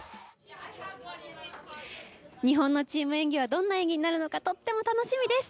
日本のチーム演技はどんな演技になるのかとっても楽しみです。